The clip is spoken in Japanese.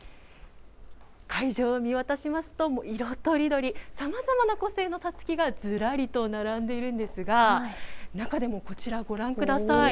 会場を見渡しますと、もう色とりどり、さまざまな個性のさつきがずらりと並んでいるんですが、中でもこちら、ご覧ください。